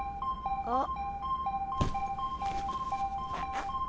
あっ。